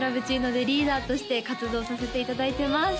ＬＯＶＥＣＣｉＮＯでリーダーとして活動させていただいてます